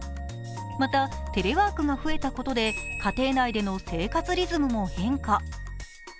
また、テレワークが増えたことで家庭内での生活リズムも変化。